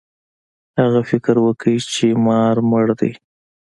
هغه فکر وکړ چې مار مړ دی.